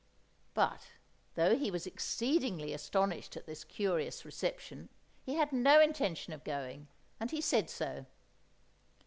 But, though he was exceedingly astonished at this curious reception, he had no intention of going, and he said so.